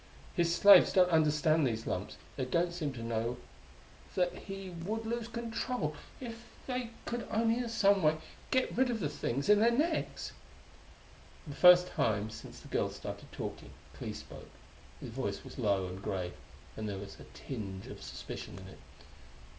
His slaves don't understand these lumps; they don't seem to know that he would lose control if they could only in some way get rid of the things in their necks!" For the first time since the girl started talking, Clee spoke. His voice was low and grave, and there was a tinge of suspicion in it.